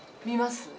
見ます？